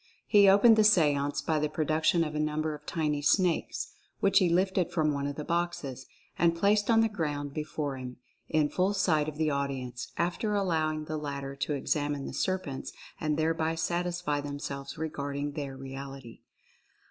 He opened the seance by the pro duction of a number of tiny snakes, which he lifted from one of the boxes, and placed on the ground be fore him, in full sight of the audience, after allowing the latter to examine the serpents and thereby satisfy themselves regarding their reality.